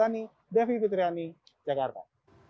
saya ini david widriani jakarta